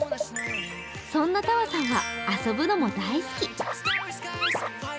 そんなたわさんは遊ぶのも大好き。